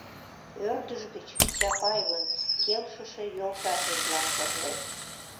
Ӧрдыж гыч Чапаевын келшыше йолташыжлан шотлет...